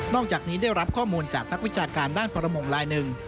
อกจากนี้ได้รับข้อมูลจากนักวิชาการด้านประมงลายหนึ่ง